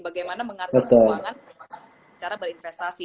bagaimana mengatur keuangan cara berinvestasi